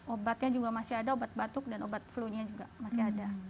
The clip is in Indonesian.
obatnya juga masih ada obat batuk dan obat flu nya juga masih ada